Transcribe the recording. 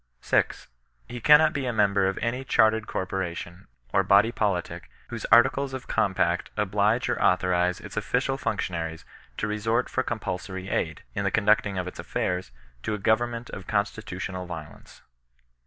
6. He cannot be a member of any chajrtered corpora tion, or body politic, whose articles of compact oblige or authorize its official functionaries to resort for compulsory aid, in the conducting of its aflairs, to a government of constitutional violence.